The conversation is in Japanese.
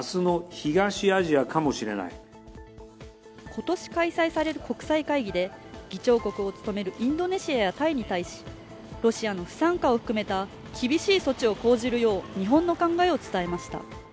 今年開催される国際会議でインドネシアやタイに対し、ロシアの不参加を含めた厳しい措置を講じるよう日本の考えを伝えました。